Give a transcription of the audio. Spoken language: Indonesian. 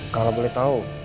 kalau boleh tau